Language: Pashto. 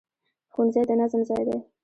ښوونځی د نظم ځای دی